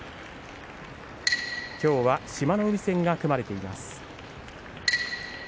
きょうは志摩ノ海戦が組まれています。